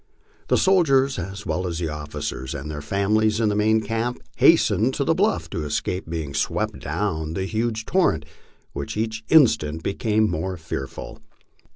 The soldiers, as well as the officers and their families in the main camp, hastened to the bluff to escape being swept down before the huge torrent which each instant be came more fearful.